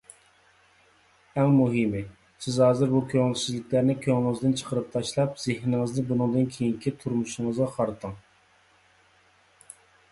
ئەڭ مۇھىمى، سىز ھازىر بۇ كۆڭۈلسىزلىكلەرنى كۆڭلىڭىزدىن چىقىرىپ تاشلاپ، زېھنىڭىزنى بۇنىڭدىن كېيىنكى تۇرمۇشىڭىزغا قارىتىڭ.